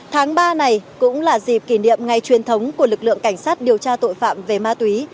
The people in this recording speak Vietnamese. tháng ba này cũng là dịp kỷ niệm ngày truyền thống của lực lượng cảnh sát điều tra tội phạm về ma túy